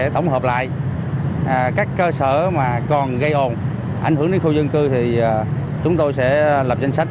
tại các cơ sở mà còn gây ồn ảnh hưởng đến khu dân cư thì chúng tôi sẽ lập danh sách